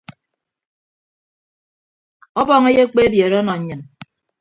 Ọbọñ eyekpe ebiere ọnọ nnyịn.